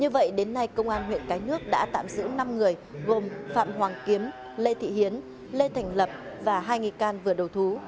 như vậy đến nay công an huyện cái nước đã tạm giữ năm người gồm phạm hoàng kiếm lê thị hiến lê thành lập và hai nghi can vừa đầu thú